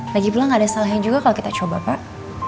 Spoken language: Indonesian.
lagipula gak ada salahnya juga kalo kita coba pak